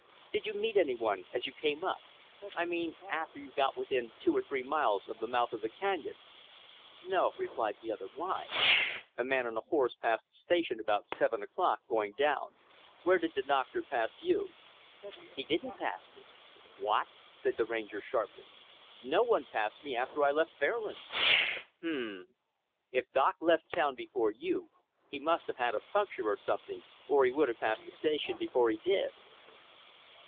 Did you meet any one as you came up? I mean after you got within two or three miles of the mouth of the canyon?" "No," replied the other. "Why?" "A man on a horse passed the Station about seven o'clock, going down. Where did the Doctor pass you?" "He didn't pass me." "What?" said the Ranger, sharply. "No one passed me after I left Fairlands." "Hu m m. If Doc left town before you, he must have had a puncture or something, or he would have passed the Station before he did."